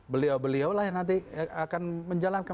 beliau beliau lah yang nanti akan menjalankan